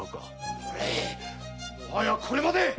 おのれもはやこれまで！